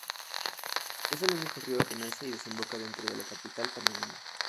Es el único río que nace y desemboca dentro de la capital panameña.